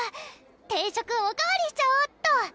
定食おかわりしちゃおっと！